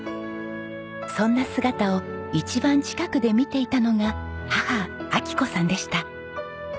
そんな姿を一番近くで見ていたのが母昭子さんでした。